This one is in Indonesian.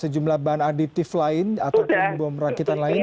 sejumlah bahan aditif lain atau bom rangkitan lain